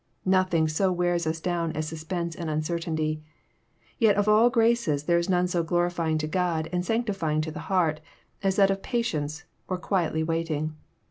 Nothing so wears us down as suspense and uncertainty. Tet of all graces there is none so glorifying to God and sanctifying to the heart as that of patience or quietly waiting.